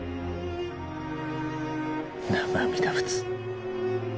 南無阿弥陀仏。